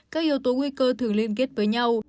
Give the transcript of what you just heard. các yếu tố nguy cơ thường liên kết với nhau